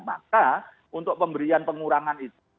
maka untuk pemberian pengurangan itu